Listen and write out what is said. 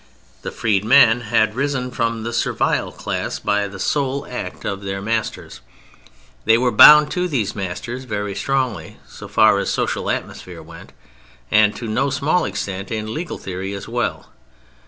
The freed men had risen from the servile class by the sole act of their masters. They were bound to these masters very strongly so far as social atmosphere went, and to no small extent in legal theory as well.